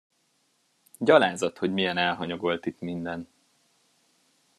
Gyalázat, hogy milyen elhanyagolt itt minden!